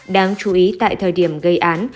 đáng chú ý tại thời điểm gây án